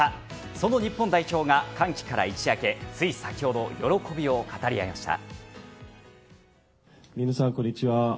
その日本代表が歓喜から一夜明けつい先ほど喜びを語り合いました。